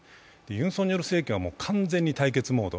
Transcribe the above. ユン・ソンニョル政権は完全に対決モード。